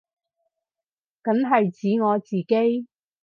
梗係指我自己